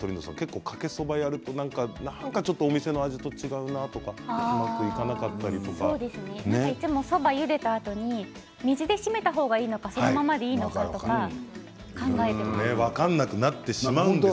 かけそばをやるとなんかちょっとお店の味と違うないつもそばをゆでたあとに水で締めた方がいいのかそのままでいいのかとか考えています。